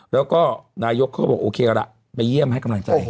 แล้วก็นายกก็บอกโอเคแล้วล่ะมาเยี่ยมให้กำลังใจ